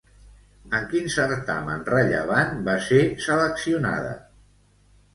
En quin certamen rellevant va ser seleccionada?